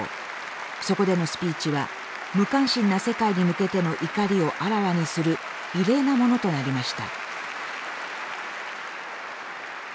そこでのスピーチは無関心な世界に向けての怒りをあらわにする異例なものとなりました。